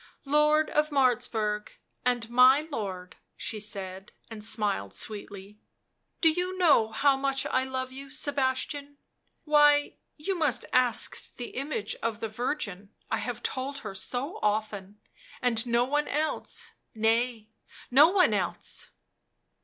u Lord of Martzburg and my lord , 77 she said, and smiled sweetly. " Do you know how much I love you, Sebastian? why, you must ask the image of the Virgin — I have told her so often, and no one else; nay, no one else